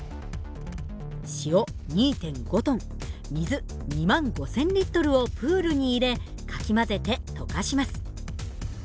塩２．５トン水２万５，０００リットルをプールに入れかき混ぜて溶かします。